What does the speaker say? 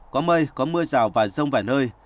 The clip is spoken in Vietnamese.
có mây có mưa rào và giông vài nơi